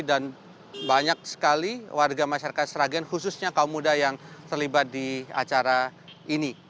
dan banyak sekali warga masyarakat sragen khususnya kaum muda yang terlibat di acara ini